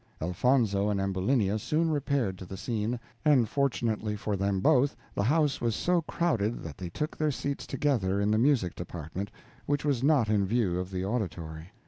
Elfonzo and Ambulinia soon repaired to the scene, and fortunately for them both the house was so crowded that they took their seats together in the music department, which was not in view of the auditory.